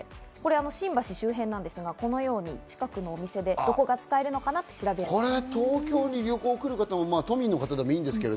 これは新橋周辺なんですが、このように近くのお店でどこが使えるのか調べてみてください。